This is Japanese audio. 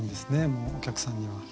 もうお客さんには。